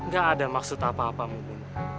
gak ada maksud apa apa mungkin